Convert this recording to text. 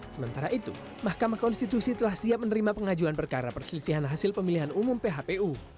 sementara itu mahkamah konstitusi telah siap menerima pengajuan perkara perselisihan hasil pemilihan umum phpu